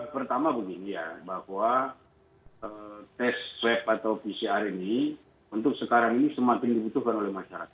pertama begini ya bahwa tes swab atau pcr ini untuk sekarang ini semakin dibutuhkan oleh masyarakat